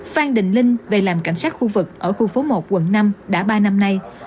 phan đình linh về làm cảnh sát khu vực ở khu phố một quận năm đã ba năm nay